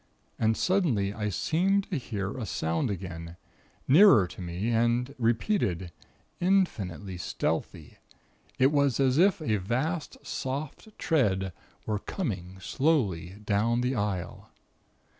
And suddenly I seemed to hear a sound again, nearer to me, and repeated, infinitely stealthy. It was as if a vast, soft tread were coming slowly down the aisle.